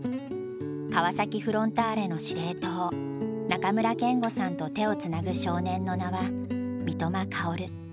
川崎フロンターレの司令塔中村憲剛さんと手をつなぐ少年の名は三笘薫。